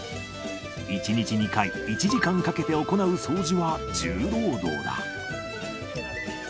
１日２回、１時間かけて行う掃除は重労働だ。